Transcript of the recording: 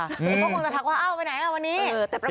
พวกมันจะถักว่าเอ้าไปไหนอ่ะวันนี้